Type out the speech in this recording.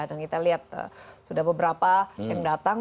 dan kita lihat sudah beberapa yang datang